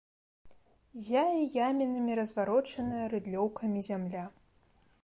Ззяе ямінамі разварочаная рыдлёўкамі зямля.